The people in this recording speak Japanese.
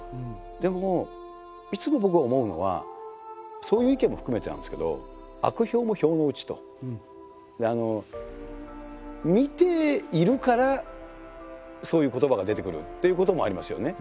でもいつも僕が思うのはそういう意見も含めてなんですけど見ているからそういう言葉が出てくるっていうこともありますよね。